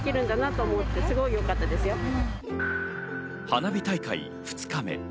花火大会２日目。